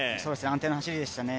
安定の走りでしたね。